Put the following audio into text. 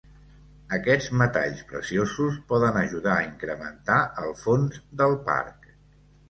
Aquests metalls preciosos poden ajudar a incrementar els fons del parc.